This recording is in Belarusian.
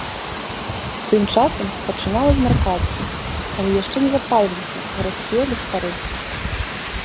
Тым часам пачынала змяркацца, але яшчэ не запальваліся гарадскія ліхтары.